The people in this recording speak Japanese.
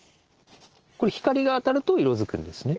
これ光が当たると色づくんですね？